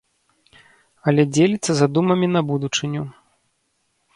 Але дзеліцца задумамі на будучыню.